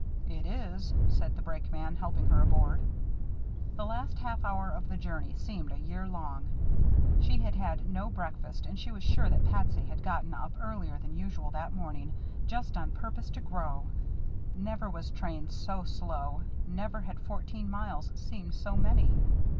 "It is," said the brakeman, helping her aboard. The last half hour of the journey seemed a year long. She had had no breakfast and she was sure that Patsy had gotten up earlier than usual that morning just on purpose to grow. Never was train so slow, never had fourteen miles seemed so many.